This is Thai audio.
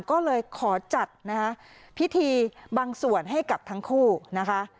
ก็เลยขอจัดนะคะพิธีบางส่วนให้กับทั้งคู่นะคะ